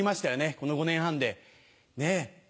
この５年半でねぇ。